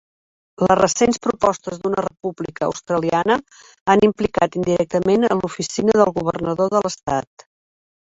Les recents propostes d'una República Australiana han implicat indirectament l'oficina del governador de l'estat.